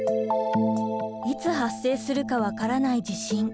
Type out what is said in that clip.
いつ発生するか分からない地震。